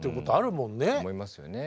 思いますよね。